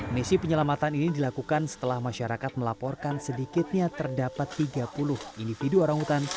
misi penyelamatan ini dilakukan setelah masyarakat melaporkan sedikitnya terdapat tiga puluh individu orang hutan